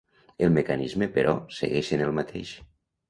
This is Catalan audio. El mecanisme, però, segueix sent el mateix.